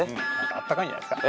あったかいんじゃないですか？